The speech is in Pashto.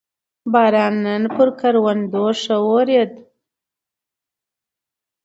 باران نن پر کروندو ښه ورېد